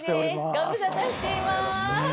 ご無沙汰しています。